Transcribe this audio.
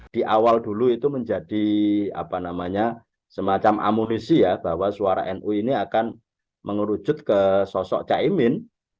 di awal dulu itu menjadi semacam amunisi ya bahwa suara nu ini akan mengerucut ke sosok caimin